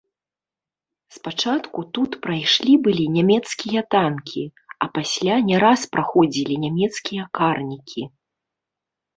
Спачатку тут прайшлі былі нямецкія танкі, а пасля не раз праходзілі нямецкія карнікі.